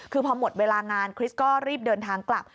คือพอหมดเวลางานคริสก็รีบเดินทางกลับ